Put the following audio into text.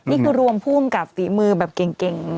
นี่คือรวมภูมิกับฝีมือแบบเก่ง